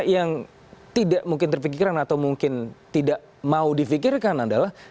yang tidak mungkin terpikiran atau mungkin tidak mau difikirkan adalah